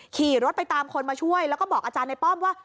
ขี่รถไปตามคนมาช่วยแล้วก็บอกอาจารย์ในป้อมว่า